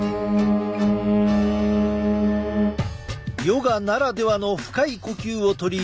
ヨガならではの深い呼吸を取り入れ